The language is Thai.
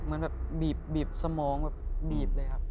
เหมือนแบบบีบสมองแบบบีบเลยครับ